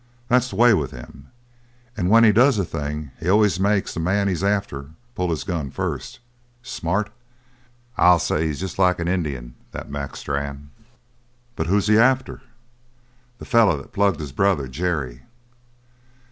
That's the way with him. And when he does a thing he always makes the man he's after pull his gun first. Smart? I'll say he's just like an Indian, that Mac Strann!" "But who's he after?" "The feller that plugged his brother, Jerry."